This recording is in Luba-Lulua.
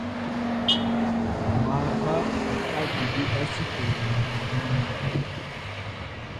Muaba wakadibu bashipela nyama.